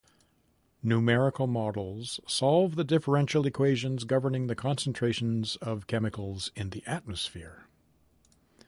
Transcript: Numerical models solve the differential equations governing the concentrations of chemicals in the atmosphere.